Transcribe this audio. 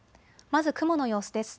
まず雲の様子です。